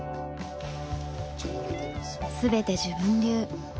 全て自分流。